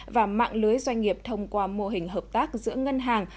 và mạng lưới doanh nghiệp thông qua mô hình hợp tác giữa ngân hàng